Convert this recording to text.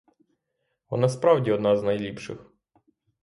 Вона справді одна з найліпших.